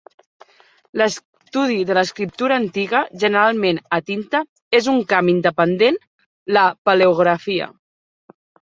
L'estudi de l'escriptura antiga, generalment a tinta, és un camp independent, la paleografia.